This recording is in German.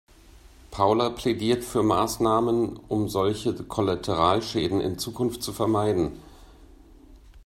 Paula plädiert für Maßnahmen, um solche Kollateralschäden in Zukunft zu vermeiden.